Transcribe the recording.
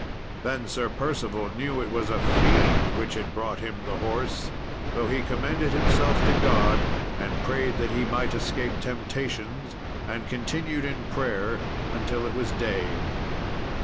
Then Sir Percival knew it was a fiend which had brought him the horse; so he commended himself to God, and prayed that he might escape temptations, and continued in prayer till it was day.